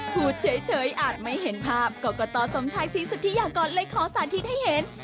พูดเฉยอาจไม่เห็นภาพกรกตสมชัยศรีสุธิยากรเลยขอสาธิตให้เห็น